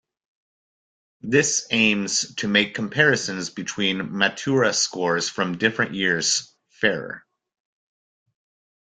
This aims to make comparisons between Matura scores from different years fairer.